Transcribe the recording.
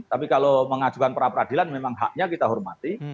tapi kalau mengajukan perapradilan memang haknya kita hormati